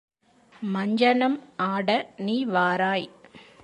மஞ்சனம் ஆட நீ வாராய்!